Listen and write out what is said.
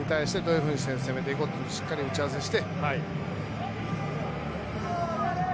どういうふうに攻めていこうか、しっかり打ち合わせして。